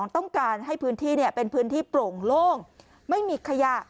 ต้องการให้พื้นที่เป็นพื้นที่โปร่งโล่งไม่มีขยะ